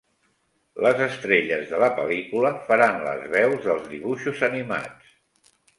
Les estrelles de la pel·lícula faran les veus dels dibuixos animats.